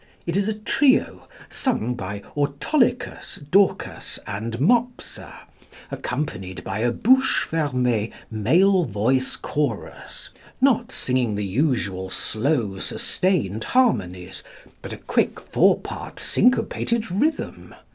It is a trio, sung by Autolycus, Dorcas, and Mopsa, accompanied by a bouche fermée male voice chorus not singing the usual slow, sustained harmonies, but a quick four part syncopated rhythm.